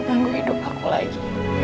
manggung hidup aku lagi